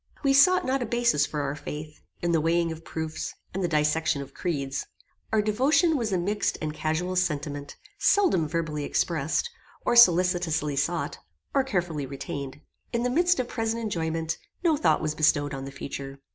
We sought not a basis for our faith, in the weighing of proofs, and the dissection of creeds. Our devotion was a mixed and casual sentiment, seldom verbally expressed, or solicitously sought, or carefully retained. In the midst of present enjoyment, no thought was bestowed on the future.